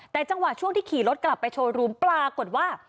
แต่จังหวะช่วงที่ขี่รถกลับไปโชว์รูมปรากฏว่า